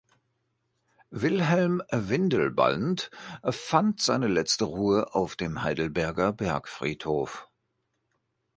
Wilhelm Windelband fand seine letzte Ruhe auf dem Heidelberger Bergfriedhof.